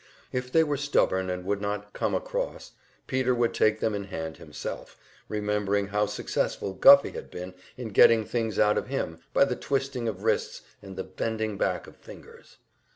If they were stubborn and would not "come across," Peter would take them in hand himself, remembering how successful Guffey had been in getting things out of him by the twisting of wrists and the bending back of fingers.